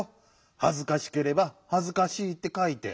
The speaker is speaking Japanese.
はずかしければはずかしいってかいて。